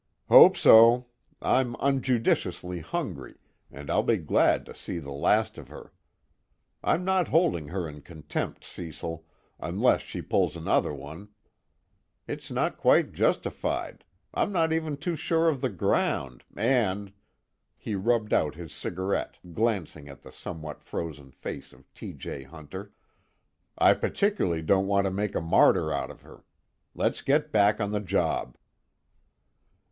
"Hope so I'm unjudicially hungry and I'll be glad to see the last of her. I'm not holding her in contempt, Cecil, unless she pulls another one. It's not quite justified, I'm not even too sure of the ground, and " he rubbed out his cigarette, glancing at the somewhat frozen face of T. J. Hunter "I particularly don't want to make a martyr out of her. Let's get back on the job."